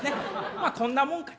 まあこんなもんかと。